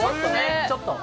ちょっと。